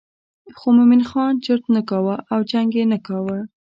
خو مومن خان چرت نه کاوه او جنګ یې نه کاوه.